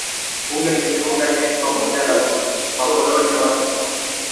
Bunge liliunda jeshi la pamoja la makoloni yote